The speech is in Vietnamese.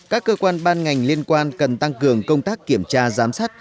các cơ quan ban ngành liên quan cần tăng cường công tác kiểm tra giám sát